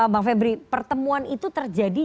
bang febri pertemuan itu terjadi